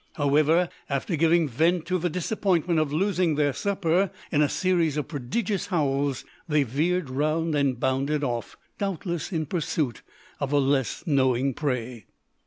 However, after giving vent to the disappointment of losing their supper in a series of prodigious howls, they veered round and bounded off, doubtless in pursuit of a less knowing prey.